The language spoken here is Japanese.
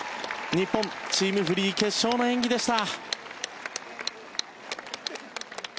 日本、チームフリー決勝の演技でした。